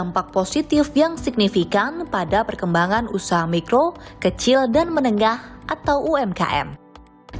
bapak sehat sehat juga untuk nanti pengamanan karena bapak akan sibuk ya menjelang tahun semuri dan balik ini